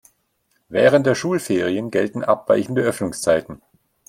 Während der Schulferien gelten abweichende Öffnungszeiten.